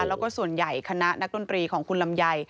แล้วก็ส่วนใหญ่คณะนักดนตรีของคุณลำไย